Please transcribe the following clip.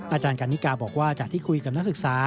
อาจารย์กันนิกาบอกว่าจากที่คุยกับนักศึกษา